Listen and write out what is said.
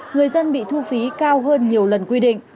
người dân bị thu phí cao hơn nhiều lần quy định